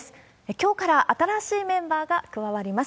きょうから新しいメンバーが加わります。